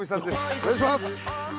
お願いします！